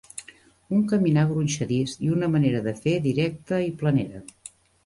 Un caminar gronxadís i una manera de fer directa i planera